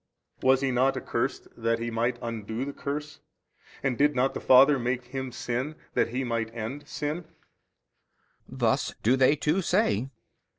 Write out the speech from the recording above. A. Was He not accursed that He might undo the curse and did not the Father make Him sin that He might end sin? B. Thus do they too say.